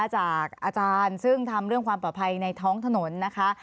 จากอาจารย์ซึ่งทำเรื่องความปลอดภัยในท้องถนนนะคะ